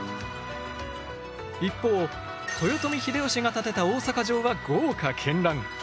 一方豊臣秀吉が建てた大阪城は豪華絢爛！